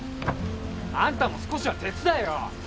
あんたも少しは手伝えよ！